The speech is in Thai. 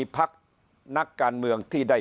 พักพลังงาน